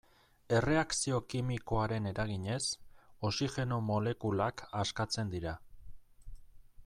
Erreakzio kimikoaren eraginez, oxigeno molekulak askatzen dira.